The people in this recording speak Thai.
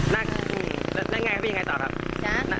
น่าเกลียดแล้วพี่ยังไงต่อครับ